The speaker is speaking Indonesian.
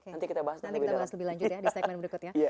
nanti kita bahas lebih lanjut ya